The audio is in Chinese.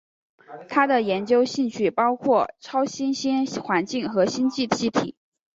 他的研究兴趣包括超新星环境和星际气体。